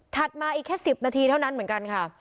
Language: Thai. มาอีกแค่๑๐นาทีเท่านั้นเหมือนกันค่ะ